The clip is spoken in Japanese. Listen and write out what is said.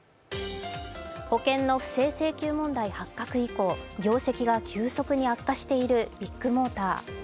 保険の不正請求問題発覚以降、業績が急速に悪化しているビッグモーター。